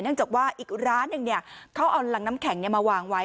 เนื่องจากว่าอีกร้านนึงเนี่ยเขาเอาน้ำแข็งมาวางไว้